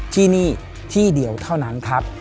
ที่นี่ที่เดียวเท่านั้นครับ